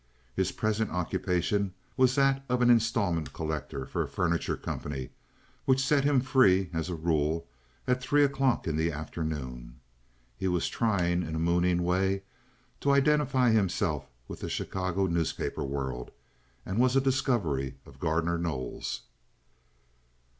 His present occupation was that of an instalment collector for a furniture company, which set him free, as a rule, at three o'clock in the afternoon. He was trying, in a mooning way, to identify himself with the Chicago newspaper world, and was a discovery of Gardner Knowles.